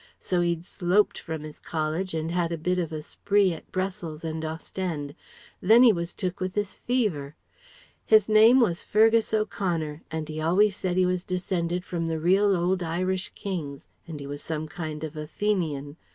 So he'd sloped from his college and had a bit of a spree at Brussels and Ostende. Then he was took with this fever "His name was Fergus O'Conor and he always said he was descended from the real old Irish Kings, and he was some kind of a Fenian.